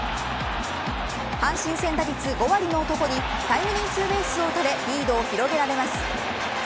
阪神戦打率５割の男にタイムリーツーベースを打たれリードを広げられます。